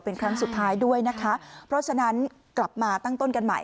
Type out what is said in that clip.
เป็นครั้งสุดท้ายด้วยนะคะเพราะฉะนั้นกลับมาตั้งต้นกันใหม่